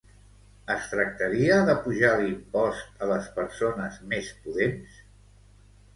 Es tractaria d'apujar l'impost a les persones més pudents?